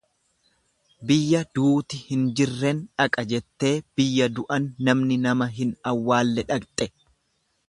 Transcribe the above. Biyya duuti hin jirren dhaqa jettee biyya du'an namni nama hin awwaalle dhaqxe.